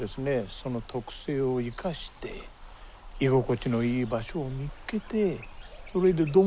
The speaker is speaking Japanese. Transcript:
その特性を生かして居心地のいい場所を見っけてそれでどんどん増えていく。